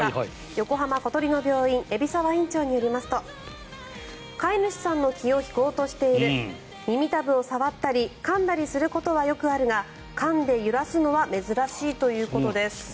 横浜小鳥の病院海老沢院長によりますと飼い主さんの気を引こうとしている耳たぶを触ったりかんだりすることはよくあるがかんで揺らすのは珍しいということです。